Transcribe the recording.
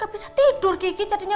gak bisa tidur kiki jadinya